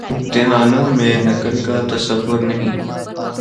امتحانوں میں نقل کا تصور نہیں۔